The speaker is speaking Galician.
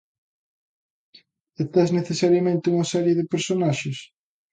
E tes necesariamente unha serie de personaxes.